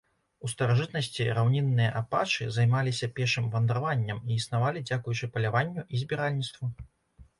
У старажытнасці раўнінныя апачы займаліся пешым вандраваннем і існавалі дзякуючы паляванню і збіральніцтву.